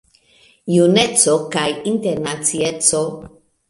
Juneco kaj internacieco.